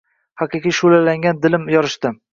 Haqiqat shuʼlalanganday dilim yorishdi.